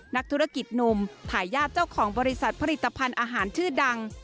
นักธุรกิจหนุ่มทายาทเจ้าของบริษัทผลิตภัณฑ์อาหารชื่อดัง